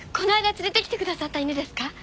連れてきてくださった犬ですか？